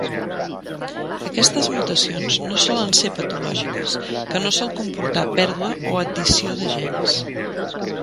Aquestes mutacions no solen ser patològiques, que no sol comportar pèrdua o addició de gens.